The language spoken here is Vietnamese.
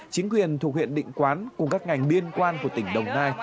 chính quyền thuộc huyện định quán cùng các ngành liên quan của tỉnh đồng nai